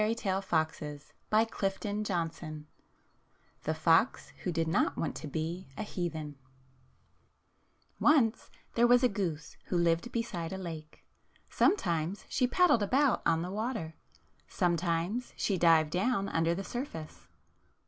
THE FOX WHO DID NOT WANT TO BE A HEATHEN THE FOX WHO DID NOT WANT TO BE A HEATHEN O NCE there was a goose who lived beside a lake. Sometimes she paddled about on the water. Sometimes she dived down under the surface.